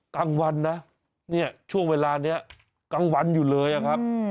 กลางวันนะเนี่ยช่วงเวลานี้กลางวันอยู่เลยอะครับ